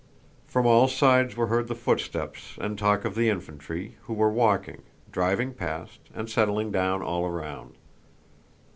From all sides were heard the footsteps and talk of the infantry, who were walking, driving past, and settling down all around.